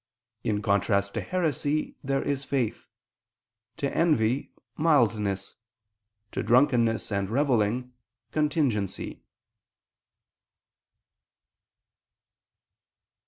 In contrast to heresy there is faith; to envy, mildness; to drunkenness and revellings, contingency."